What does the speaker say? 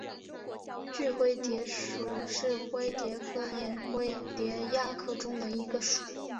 锯灰蝶属是灰蝶科眼灰蝶亚科中的一个属。